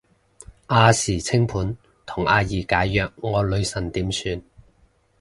亞視清盤同阿儀解約，我女神點算